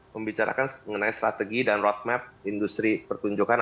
membicarakan mengenai strategi dan roadmap industri pertunjukan